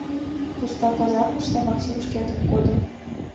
Пуста казармыште Максим шкетын кодо.